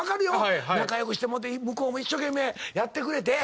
仲良くしてもうて向こうも一生懸命やってくれて。